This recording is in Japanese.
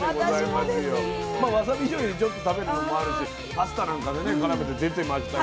まあわさびじょうゆでちょっと食べるのもあるしパスタなんかでねからめて出てましたけど。